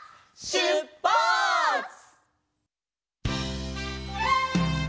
しゅっぱつ！